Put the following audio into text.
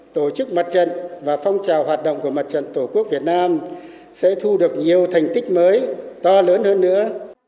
tổ chức mặt trận và phong trào hoạt động của mặt trận tổ quốc việt nam sẽ thu được nhiều thành tích mới to lớn hơn nữa